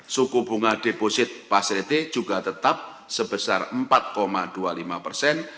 suku bunga deposit facility juga tetap sebesar empat dua puluh lima persen